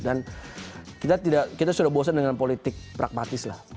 dan kita sudah bosan dengan politik pragmatis lah